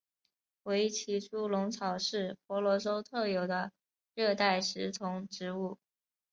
维奇猪笼草是婆罗洲特有的热带食虫植物。